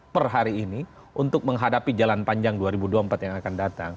per hari ini untuk menghadapi jalan panjang dua ribu dua puluh empat yang akan datang